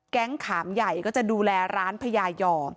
แก๊งขามใหญ่ก็จะดูแลร้านพยาย่อ